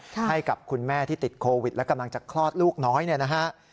ให้กับคุณแม่ที่ติดโควิดและกำลังจะคลอดลูกน้อยเนี่ยนะฮะ